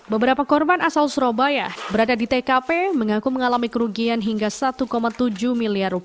beberapa korban asal surabaya berada di tkp mengaku mengalami kerugian hingga rp satu tujuh miliar